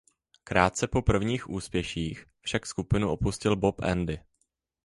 Krátce po prvních úspěších však skupinu opustil Bob Andy.